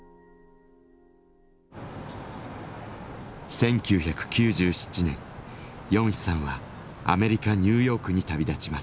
１９９７年ヨンヒさんはアメリカニューヨークに旅立ちます。